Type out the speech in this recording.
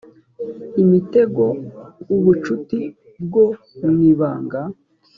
imitego ubucuti bwo mu ibanga